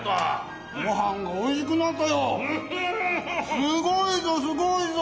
すごいぞすごいぞ。